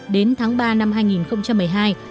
bởi vì không có thể đưa ra bảo hiểm thất nghiệp